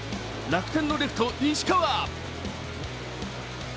楽天のレフト・西川。